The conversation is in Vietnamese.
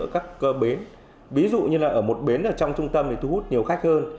các bến ví dụ như là ở một bến ở trong trung tâm thì thu hút nhiều khách hơn